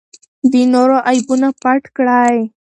د نورو عیبونه پټ کړئ.